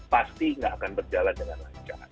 pasti nggak akan berjalan dengan lancar